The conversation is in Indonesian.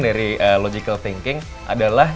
dari logical thinking adalah